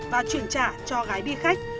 và chuyển trả cho gái đi khách